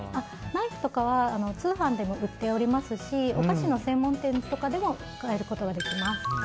ナイフとかは通販でも売っておりますしお菓子の専門店とかでも買うことができます。